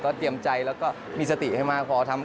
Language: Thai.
เตรียมใจแล้วก็มีสติให้มากพอทำ